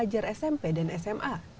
pelajar smp dan sma